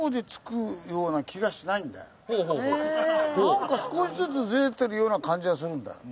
なんか少しずつズレてるような感じがするんだよ。